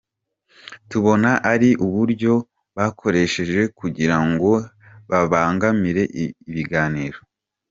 Tubona ari uburyo bakoresheje kugira ngo babangamire ibiganiro.